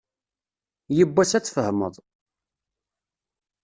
Yiwwas ad tfehmeḍ.